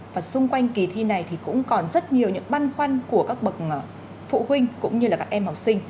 và xung quanh kỳ thi này thì cũng còn rất nhiều những băn khoăn của các bậc phụ huynh cũng như là các em học sinh